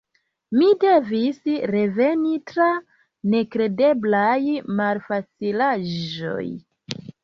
Mi devis reveni, tra nekredeblaj malfacilaĵoj.